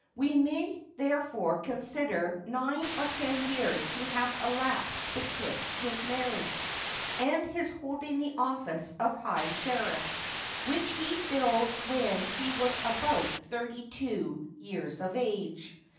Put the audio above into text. We may, therefore, consider nine or ten years to have elapsed betwixt his marriage and his holding the office of high sheriff, which he filled when he was about thirty two years of age.